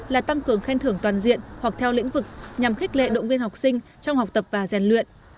là tăng cường khen thưởng toàn diện hoặc theo lĩnh vực nhằm khích lệ động viên học sinh trong học tập và rèn luyện